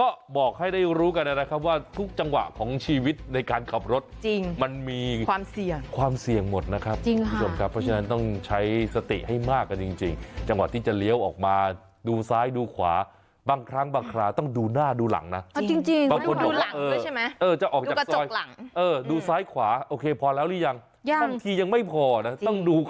ก็บอกให้ได้รู้กันนะครับว่าทุกจังหวะของชีวิตในการขับรถจริงมันมีความเสี่ยงความเสี่ยงหมดนะครับจริงคุณผู้ชมครับเพราะฉะนั้นต้องใช้สติให้มากกันจริงจังหวะที่จะเลี้ยวออกมาดูซ้ายดูขวาบางครั้งบางคราวต้องดูหน้าดูหลังนะบางคนบอกว่าเออใช่ไหมจะออกจากซอยดูซ้ายขวาโอเคพอแล้วหรือยังยังบางทียังไม่พอนะต้องดูค